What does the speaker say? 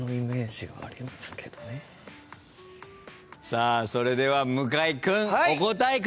さあそれでは向井君お答えください。